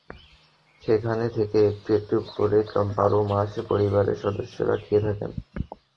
সেখান থেকে একটু একটু করে বারো মাস পরিবারের সদস্যরা খেয়ে থাকেন।